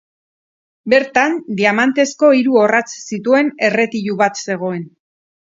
Bertan diamantezko hiru orratz zituen erretilu bat zegoen.